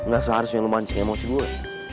gak seharusnya lo mancing emosi gue